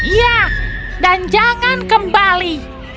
iya dan jangan kembali